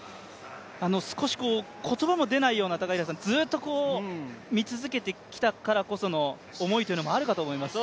少し言葉も出ないようなずっと見続けてきたからこその思いというのもあると思います。